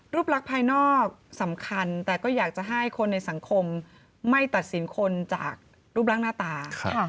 ลักษณภายนอกสำคัญแต่ก็อยากจะให้คนในสังคมไม่ตัดสินคนจากรูปร่างหน้าตา